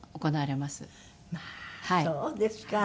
まあそうですか！